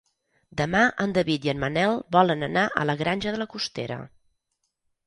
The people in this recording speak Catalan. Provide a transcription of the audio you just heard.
Demà en David i en Manel volen anar a la Granja de la Costera.